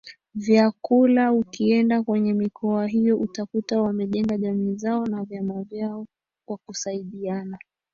vyakulaUkienda kwenye mikoa hiyo utakuta wamejenga jamii zao na vyama vyao vya kusaidiana